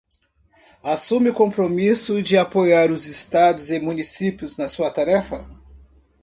assume o compromisso de apoiar os estados e municípios na sua tarefa